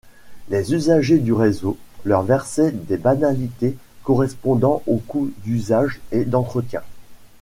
Les usagers du réseau leur versaient des banalités correspondant au coût d'usage et d'entretien.